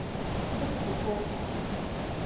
Sıt fıxuede?